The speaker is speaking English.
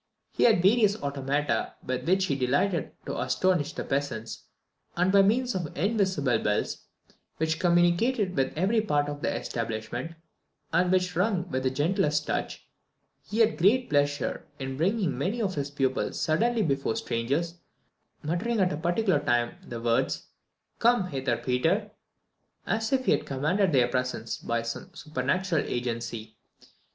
He had various automata with which he delighted to astonish the peasants; and by means of invisible bells, which communicated with every part of his establishment, and which rung with the gentlest touch, he had great pleasure in bringing any of his pupils suddenly before strangers, muttering at a particular time the words "Come hither, Peter," as if he had commanded their presence by some supernatural agency.